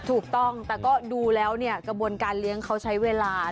ถูกต้องแต่ก็ดูแล้วเนี่ยกระบวนการเลี้ยงเขาใช้เวลา